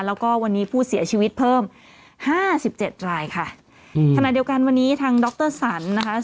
แล้วก็วันนี้ผู้เสียชีวิตเพิ่มห้าสิบเจ็ดรายค่ะอืมขณะเดียวกันวันนี้ทางดรสันนะคะ